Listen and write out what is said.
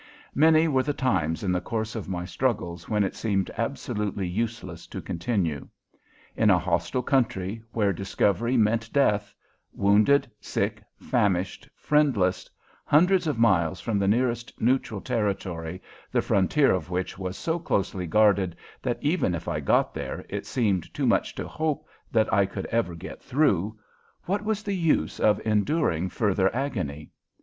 Many were the times in the course of my struggles when it seemed absolutely useless to continue. In a hostile country, where discovery meant death, wounded, sick, famished, friendless, hundreds of miles from the nearest neutral territory the frontier of which was so closely guarded that even if I got there it seemed too much to hope that I could ever get through, what was the use of enduring further agony?